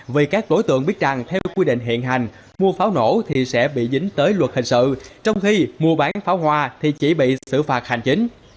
vì các đối tượng biết rằng theo quy định hiện hành mua pháo nổ thì sẽ bị dính tới luật hình sự trong khi mua bán pháo hoa thì chỉ bị xử phạt hành chính